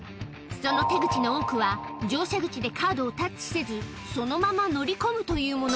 その手口の多くは、乗車口でカードをタッチせず、そのまま乗り込むというもの。